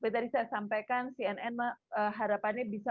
tadi saya sampaikan cnn harapannya bisa